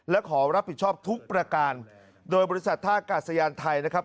และขอรับผิดชอบทุกประการโดยบริษัทท่ากาศยานไทยนะครับ